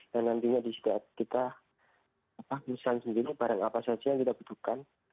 dan nantinya kita pesan sendiri barang apa saja yang kita butuhkan